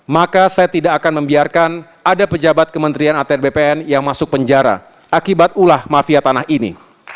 maka saya tidak akan membiarkan ada pejabat kementerian atr bpn yang masuk penjara akibat ulah mafia tanah ini